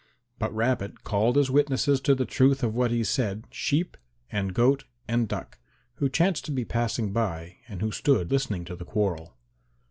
But Rabbit called as witnesses to the truth of what he said Sheep and Goat and Duck who chanced to be passing by and who stood listening to the quarrel.